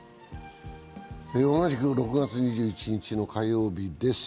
同じく６月２１日の火曜日です。